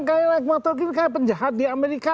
kayak naik motor kayak penjahat di amerika